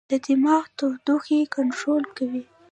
دماغ د تودوخې کنټرول کوي.